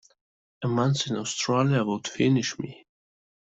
A month in Australia would finish me.